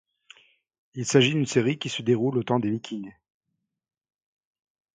Il s'agit d'une série qui se déroule au temps des vikings.